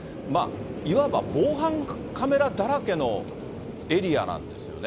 いわば防犯カメラだらけのエリアなんですよね。